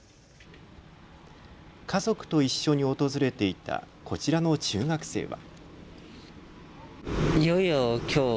家族と一緒に訪れていたこちらの中学生は。